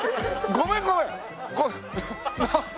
ごめんごめん。